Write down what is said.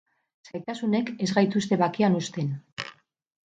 Zailtasunek ez gaituzte bakean uzten.